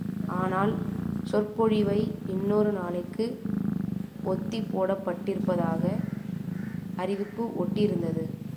ஆனால், சொற்பொழிவை இன்னொரு நாளைக்கு ஒத்திப்போடப்பட்டிருப்பதாக அறிவிப்பு ஒட்டியிருந்தது.